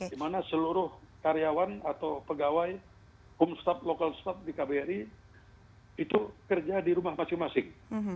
di mana seluruh karyawan atau pegawai homestaf local staff di kbri itu kerja di rumah masing masing